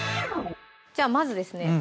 じゃまずですね